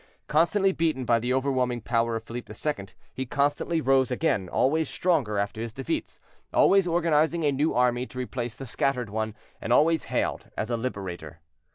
Constantly beaten by the overwhelming power of Philippe II., he constantly rose again, always stronger after his defeats—always organizing a new army to replace the scattered one, and always hailed as a liberator.